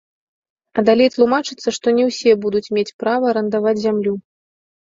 А далей тлумачыцца, што не ўсе будуць мець права арандаваць зямлю.